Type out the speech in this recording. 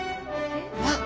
わっ！